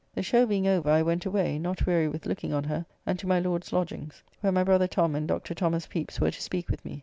The show being over, I went away, not weary with looking on her, and to my Lord's lodgings, where my brother Tom and Dr. Thomas Pepys were to speak with me.